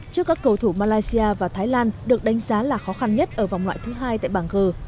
trước các cầu thủ malaysia và thái lan được đánh giá là khó khăn nhất ở vòng loại thứ hai tại bảng g